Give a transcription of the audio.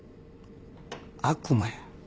悪魔や。